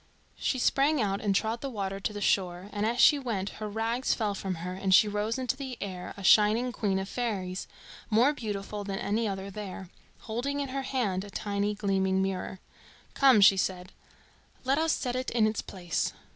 She sprang out and trod the water to the shore, and as she went her rags fell from her and she rose into the air a shining queen of fairies, more beautiful than any other there, holding in her hand a tiny gleaming mirror. "Come," she said, "let us set it in its place."